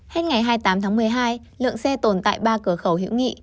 hết ngày hai mươi tám tháng một mươi hai lượng xe tồn tại ba cửa khẩu hữu nghị